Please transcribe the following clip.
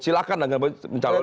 silahkan dengan mencalonkan